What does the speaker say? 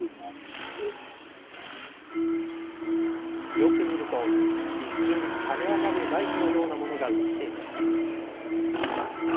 よく見ると一瞬跳ね上がるバイクのようなものが映っていました。